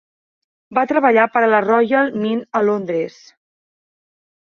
Va treballar per a la Royal Mint a Londres.